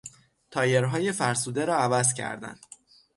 تایرهای فرسوده را عوض کردن